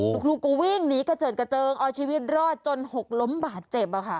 ลูกลูกก็วิ่งหนีกระเจินกระเจิงเอาชีวิตรอดจนหกล้มบาทเจ็บอะค่ะ